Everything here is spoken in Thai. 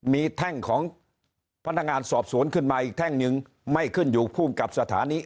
มีแท่งของพนักงานสอบสวนขึ้นมาอีกแท่งหนึ่งไม่ขึ้นอยู่ภูมิกับสถานี